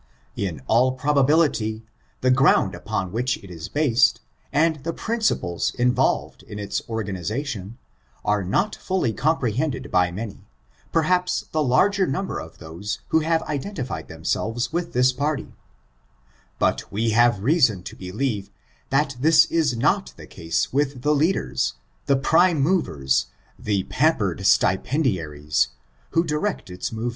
In all probability, the ground upon which it is based, and the principles involved in its organization, are not fully comprehended by many, perhaps the larger number of those who have identified themselves with this party ; but we have reason to believe that this is ': I /\ ^^k^^^^l^k^h^ ^^^^%^^^^^«^«^M^ I 442 STRICTURES not the esse witli ibe leaders^ the prime moven, the pampered stipendiaries who direct its mo?